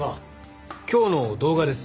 今日の動画です。